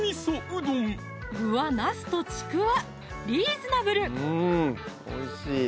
具はなすとちくわリーズナブル！